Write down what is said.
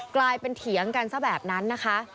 กลายเป็นเถียงกันซะแบบนั้นนะคะ